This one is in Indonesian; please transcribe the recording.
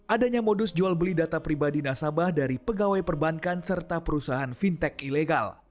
adanya modus jual beli data pribadi nasabah dari pegawai perbankan serta perusahaan fintech ilegal